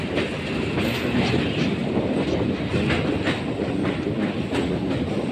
Gimnasia no se clasifica para los playoff pero mantuvo la categoría.